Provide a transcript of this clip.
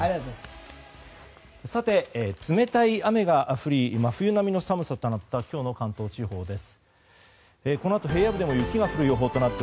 さて、冷たい雨が降り真冬並みの寒さとなった今日の関東地方です。